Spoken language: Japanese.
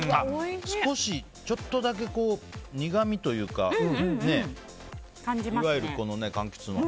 少し、ちょっとだけ苦みというかねいわゆるかんきつの。